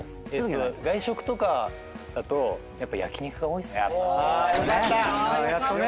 外食とかだとやっぱ焼き肉が多いっすかね。